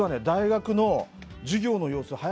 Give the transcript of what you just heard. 大学の授業の様子